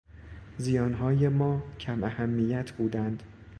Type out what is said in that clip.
زیانهای ما کم اهمیت بودند.